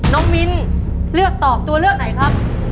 น้องมิ้นเลือกตอบตัวเลือกไหนครับ